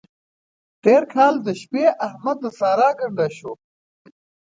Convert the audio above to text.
تېر کال دا شپې احمد د سارا ګنډه شو.